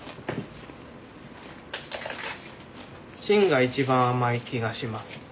芯が一番甘い気がします。